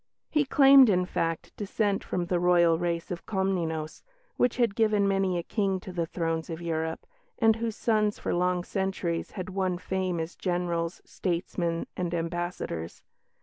He claimed, in fact, descent from the Royal race of Comnenus, which had given many a King to the thrones of Europe, and whose sons for long centuries had won fame as generals, statesmen, and ambassadors.